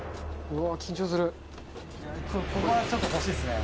「ここはちょっと欲しいですね」